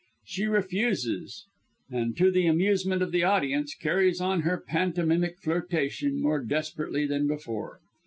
She refuses and, to the amusement of the audience, carries on her pantomimic flirtation more desperately than before.